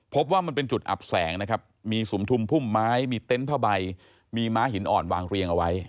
พบว่ามันเป็นจุดอับแสงนะครับมีสุมทุมพุ่มไม้มีเต็นต์ผ้าใบมีม้าหินอ่อนวางเรียงเอาไว้